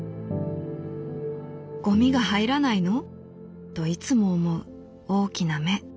ゴミが入らないの？といつも思う大きな目。